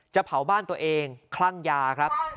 เผาบ้านตัวเองคลั่งยาครับ